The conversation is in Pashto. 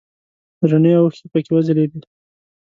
رڼې اوښکې پکې وځلیدې.